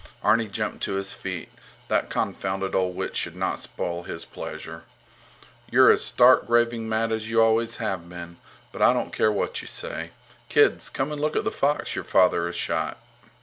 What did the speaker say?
Arni jumped to his feet. That confounded old witch should not spoil his pleasure. You're as stark, raving mad as you always have been. But I don't care what you say. Kids, come and look at the fox your father has shot.